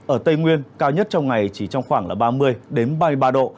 ở tây nguyên cao nhất trong ngày chỉ trong khoảng là ba mươi ba mươi ba độ